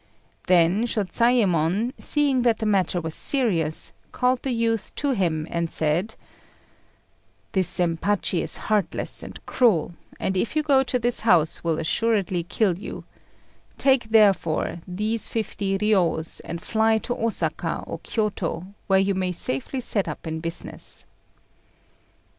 Then Shôzayémon, seeing that the matter was serious, called the youth to him, and said "This Zempachi is heartless and cruel, and if you go to his house will assuredly kill you; take, therefore, these fifty riyos, and fly to Osaka or Kiôto, where you may safely set up in business."